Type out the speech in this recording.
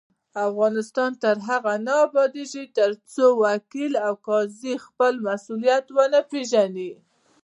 افغانستان تر هغو نه ابادیږي، ترڅو وکیل او قاضي خپل مسؤلیت ونه پیژني.